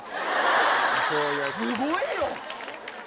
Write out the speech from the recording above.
すごいよ！